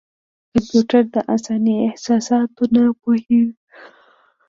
کمپیوټر د انساني احساساتو نه پوهېږي.